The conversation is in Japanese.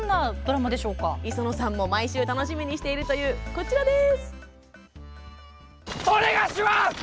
磯野さんも毎週楽しみにしているというこちらです。